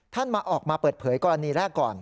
ท่านมาออกมาเปิดเผยกรณีแรกก่อน